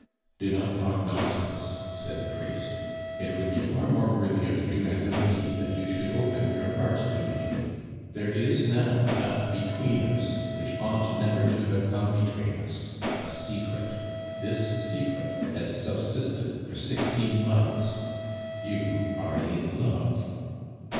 "Do not talk nonsense," said the priest. "It would be far more worthy of you and of me that you should open your heart to me. There is now that between us which ought never to have come between us a secret. This secret has subsisted for sixteen months. You are in love."